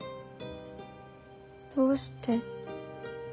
どうして。